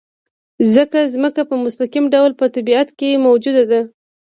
ځکه ځمکه په مستقیم ډول په طبیعت کې موجوده ده.